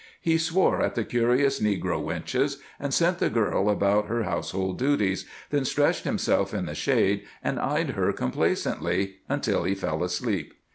He swore at the curious negro wenches and sent the girl about her household duties, then stretched himself in the shade and eyed her complacently until he fell asleep.